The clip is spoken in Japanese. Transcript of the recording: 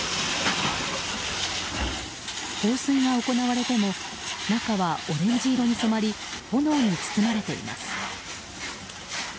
放水が行われても中はオレンジ色に染まり炎に包まれています。